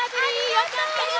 よかったよ！